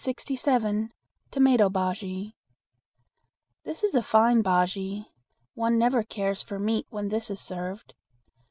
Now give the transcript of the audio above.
Tomato Bujea. This is a fine bujea. One never cares for meat when this is served.